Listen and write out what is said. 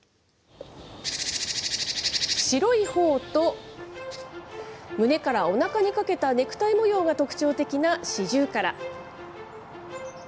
白い頬と胸からおなかにかけたネクタイ模様が特徴的なシジュウカラ。